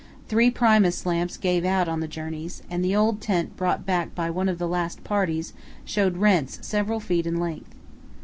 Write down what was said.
Three Primus lamps gave out on the journeys, and the old tent brought back by one of the last parties showed rents several feet in length.